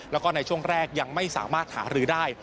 แล้วก็ในช่วงแรกยังไม่สามารถหารือได้